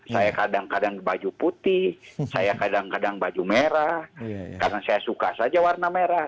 saya kadang kadang baju putih saya kadang kadang baju merah karena saya suka saja warna merah